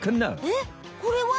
えっこれは？